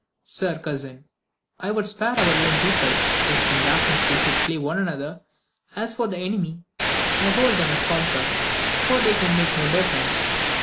Sir cousin, I would spare our own people, lest in the darkness they should slay one another ; as for the enemy, I hold them as con quered, for they can make no defence.